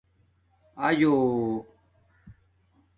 آجݸ